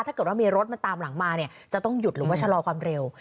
ถ้าเกิดว่ามีรถมันตามหลังมาเนี่ยจะต้องหยุดหรือว่าชะลอความเร็ว